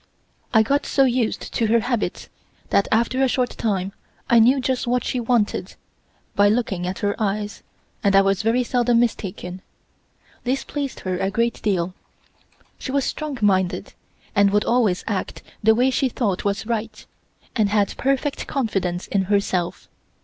I got so used to her habits that after a short time I knew just what she wanted by looking at her eyes, and I was very seldom mistaken. This pleased her a great deal. She was strong minded, and would always act the way she thought was right, and had perfect confidence in herself.